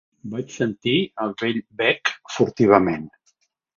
Vaig sentir el vell bec furtivament.